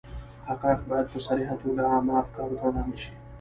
حقایق باید په صریحه توګه عامه افکارو ته وړاندې شي.